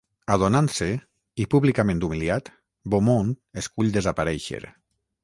Adonant-se, i públicament humiliat, Beaumont escull desaparèixer.